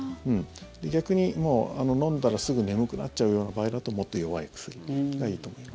逆に飲んだらすぐ眠くなっちゃうような場合だともっと弱い薬がいいと思います。